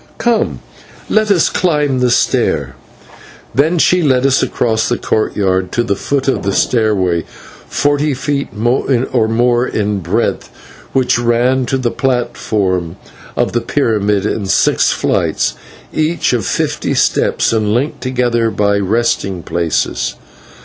Come, let us climb the stair" and she led us across the court yard to the foot of a stairway forty feet or more in breadth, which ran to the platform of the pyramid in six flights, each of fifty steps, and linked together by resting places.